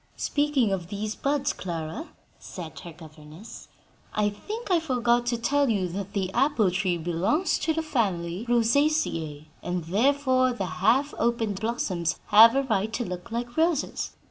"Speaking of these buds, Clara," said her governess, "I think I forgot to tell you that the apple tree belongs to the family Rosaceae, and therefore the half opened blossoms have a right to look like roses.